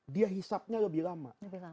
dia hisapnya lebih lama